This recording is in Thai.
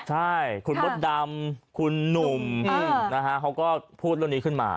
ใช่คุณมดดำคุณหนุ่มนะฮะเขาก็พูดเรื่องนี้ขึ้นมา